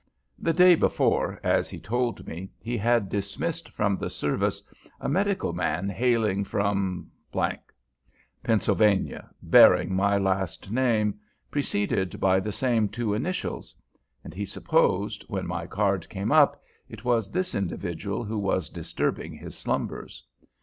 The day before, as he told me, he had dismissed from the service a medical man hailing from , Pennsylvania, bearing my last name, preceded by the same two initials; and he supposed, when my card came up, it was this individual who was disturbing his slumbers.